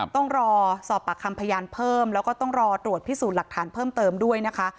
ต้องรอสอบปากคำพยานเพิ่มแล้วก็ต้องรอตรวจพิสูจน์หลักฐานเพิ่มเติมด้วยนะคะ